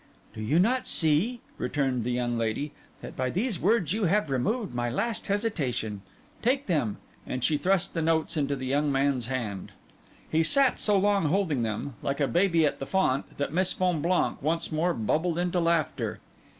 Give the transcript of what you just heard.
'Do you not see,' returned the young lady, 'that by these words you have removed my last hesitation? Take them.' And she thrust the notes into the young man's hand. He sat so long, holding them, like a baby at the font, that Miss Fonblanque once more bubbled into laughter.